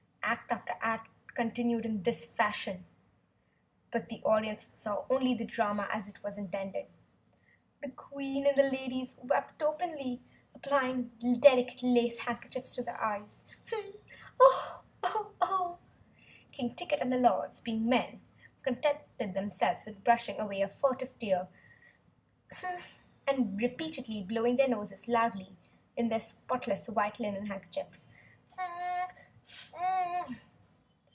Act after act continued in this fashion. But the audience saw only the drama as it was intended. The Queen and the Ladies wept openly, applying delicate lace handkerchiefs to their eyes. King Ticket and the Lords, being men, contented themselves with brushing away a furtive tear and repeatedly blowing their noses loudly in their spotless white linen kerchiefs.